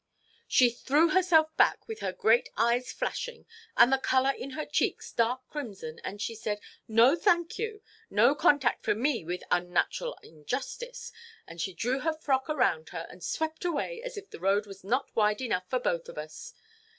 "She threw herself back with her great eyes flashing, and the colour in her cheeks dark crimson, and she said, 'No, thank you. No contact for me with unnatural injustice!' And she drew her frock around her, and swept away as if the road was not wide enough for both of us.